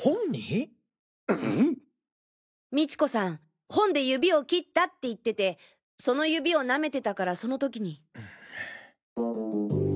美知子さん本で指を切ったって言っててその指を舐めてたからその時に。